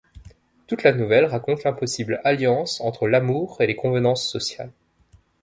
Toute la nouvelle raconte l'impossible alliance entre l'amour et les convenances sociales.